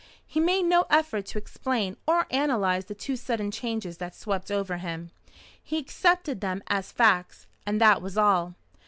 He made no effort to explain or analyze the two sudden changes that swept over him. He accepted them as facts, and that was all.